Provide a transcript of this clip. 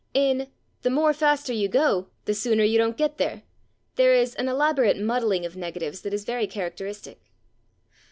In "the more faster you go, the sooner you /don't/ get there" there is an elaborate muddling of negatives that is very characteristic.